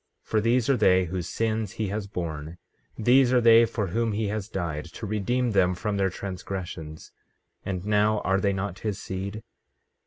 15:12 For these are they whose sins he has borne; these are they for whom he has died, to redeem them from their transgressions. And now, are they not his seed?